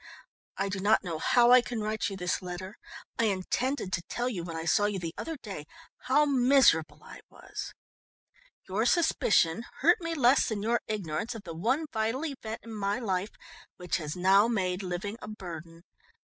"_I do not know how I can write you this letter. I intended to tell you when I saw you the other day how miserable I was. Your suspicion hurt me less than your ignorance of the one vital event in my life which has now made living a burden.